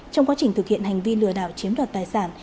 trong quá trình thực hiện hành vi lừa đảo chiếm đoạt tài sản